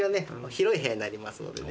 広い部屋になりますのでね。